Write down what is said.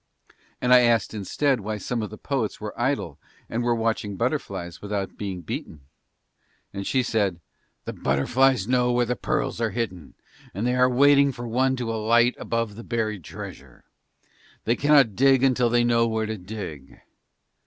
And I asked instead why some of the poets were idle and were watching butterflies without being beaten. And she said: "The butterflies know where the pearls are hidden and they are waiting for one to alight above the buried treasure. They cannot dig until they know where to dig."